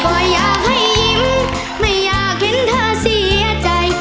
ก็อยากให้ยิ้มไม่อยากเห็นเธอเสียใจ